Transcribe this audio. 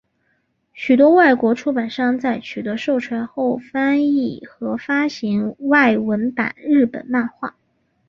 许多外国出版商在取得授权后翻译和发行外文版日本漫画。